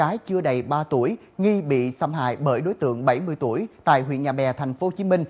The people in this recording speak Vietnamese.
bé gái chưa đầy ba tuổi nghi bị xâm hại bởi đối tượng bảy mươi tuổi tại huyện nhà bè tp hcm